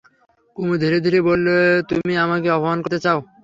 কুমু ধীরে ধীরে বললে, তুমি আমাকে অপমান করতে চাও?